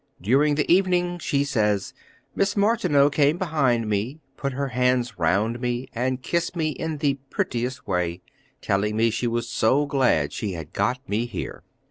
During the evening, she says, "Miss Martineau came behind me, put her hands round me, and kissed me in the prettiest way, telling me she was so glad she had got me here."